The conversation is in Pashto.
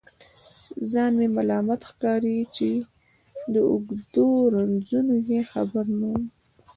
ځان مې ملامت ښکاري چې د اوږدو رنځونو یې خبر نه وم.